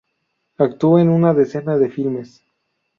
Actuó en una decena de filmes.